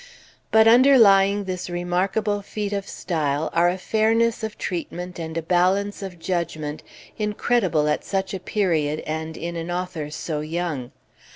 But underlying this remarkable feat of style, are a fairness of treatment and a balance of judgment incredible at such a period and in an author so young.